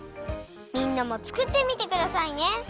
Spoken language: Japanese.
みんなもつくってみてくださいね。